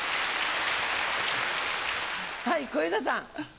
はい小遊三さん。